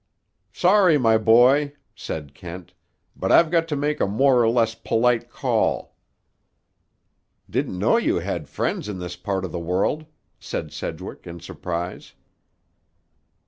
"Sorry, my boy," said Kent, "but I've got to make a more or less polite call." "Didn't know you had friends in this part of the world," said Sedgwick in surprise.